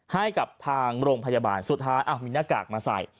ให้กับทางโรงพยาบาลสุดท้ายมีหน้ากากมาใส่